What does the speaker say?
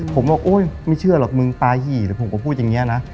ผมบอกโอ๊ยไม่เชื่อหรอกมึงปลาหี่หรือผมก็พูดอย่างนี้นะ